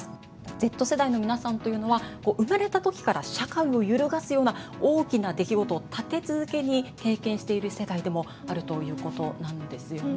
Ｚ世代の皆さんというのは生まれた時から社会を揺るがすような大きな出来事を立て続けに経験している世代でもあるということなんですよね。